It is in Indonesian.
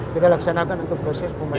kita laksanakan proses pembelajaran